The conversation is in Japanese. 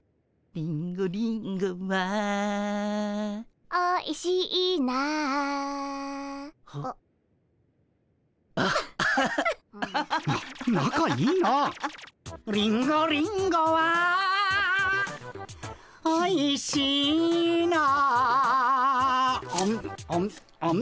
「リンゴリンゴはおいしいな」あむ。